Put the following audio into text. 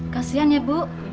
kasian ya bu